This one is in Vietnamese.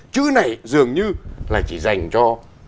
chữ này dường như là chỉ dành cho